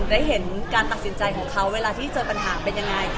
ได้เห็นการตัดสินใจของเขาเวลาที่เจอปัญหาเป็นยังไง